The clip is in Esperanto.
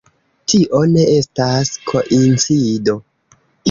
Tio ne estas koincido.